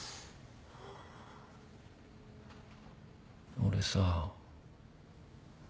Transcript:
俺さ。